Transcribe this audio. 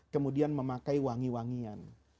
kemudian memakai wangi wangian